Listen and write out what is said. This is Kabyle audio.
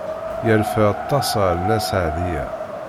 Yerfa aṭas ɣef Nna Seɛdiya.